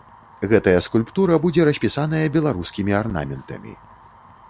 Гэтая скульптура будзе распісаная беларускімі арнаментамі.